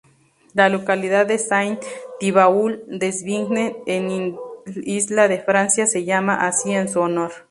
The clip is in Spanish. La localidad de Saint-Thibault-des-Vignes en Isla de Francia se llama así en su honor.